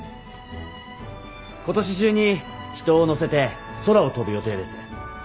今年中に人を乗せて空を飛ぶ予定です。